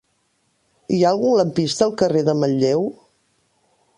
Hi ha algun lampista al carrer de Manlleu?